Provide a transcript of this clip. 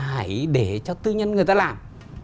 hãy để cho tư nhân người ta làm